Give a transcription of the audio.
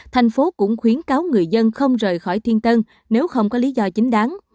thành phố cũng khuyến cáo người dân không rời khỏi thiên tân nếu không có lý do chính đáng